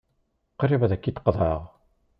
Qrib ad k-id-qeḍɛeɣ.